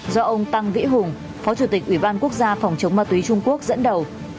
do ông tăng vĩ hùng phó chủ tịch ủy ban quốc gia phòng chống ma túy trung quốc dẫn đầu